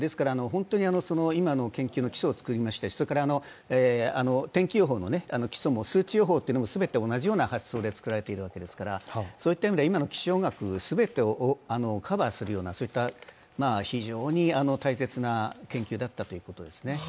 今の研究の基礎を作りましたし天気予報の基礎も数値予報、全て同じような発想で作られているわけですからそういった意味では今の気象学全てをカバーするような非常に大切な研究だったということですね。